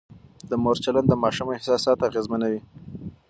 د مور چلند د ماشوم احساسات اغېزمنوي.